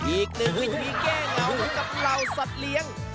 อีกหนึ่งวิธีแก้เหงากับเหล่าสัตว์เลี้ยง